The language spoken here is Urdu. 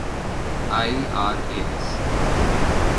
آئیآراےایس